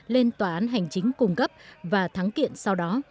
lên tòa án hành chính cung cấp và thắng kiện sau đó